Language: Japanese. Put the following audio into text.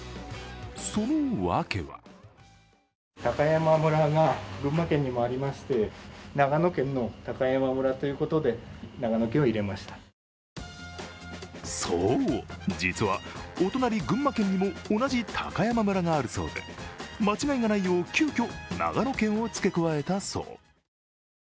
そのワケはそう、実はお隣・群馬県にも同じ高山村があるそうで間違いがないよう、急きょ、「長野県」をつけ加えたそう。